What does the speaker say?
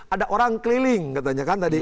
ada orang keliling katanya kan tadi